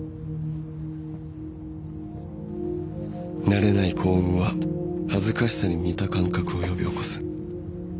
［慣れない幸運は恥ずかしさに似た感覚を呼び起こす］